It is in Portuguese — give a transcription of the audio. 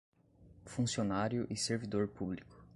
Funcionário e servidor público